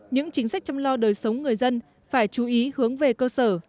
những chính sách chăm lo đời sống người dân phải chú ý hướng về cơ sở